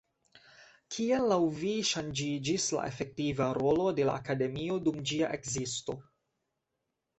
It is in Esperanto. Kiel laŭ vi ŝanĝiĝis la efektiva rolo de la Akademio dum ĝia ekzisto?